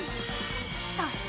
そして！